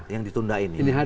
yang ditunda ini